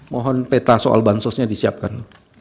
mohon peta soal bansosnya disiapkan